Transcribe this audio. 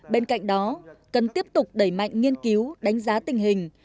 bên cạnh đó cần tiếp tục đẩy mạnh nghiên cứu đánh giá tình hình